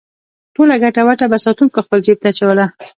ټوله ګټه وټه به ساتونکو خپل جېب ته اچوله.